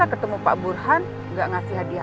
masa ketemu pak burhan nggak ngasih hadiah apa